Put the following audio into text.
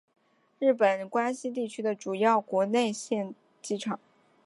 日本关西地区的主要国内线机场。